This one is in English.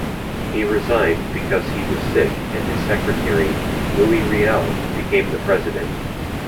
He resigned because he was sick and his secretary, Louis Riel became the president.